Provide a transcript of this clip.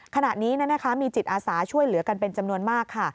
ขณะนี้มีจิตอาสาช่วยเหลือกันเป็นจำนวนมากค่ะ